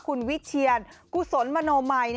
คุณวิเชียนกุศลมโนมัย